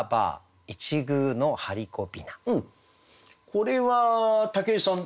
これは武井さん